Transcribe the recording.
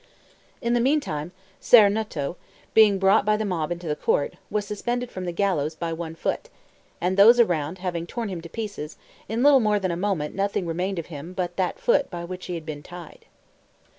In the meantime, Ser Nuto, being brought by the mob into the court, was suspended from the gallows by one foot; and those around having torn him to pieces, in little more than a moment nothing remained of him but the foot by which he had been tied.